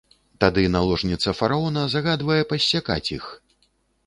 Тады наложніца фараона загадвае пассякаць іх.